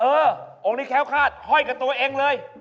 องค์นี้แค้วคาดห้อยกับตัวเองเลย